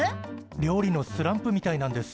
料理のスランプみたいなんです。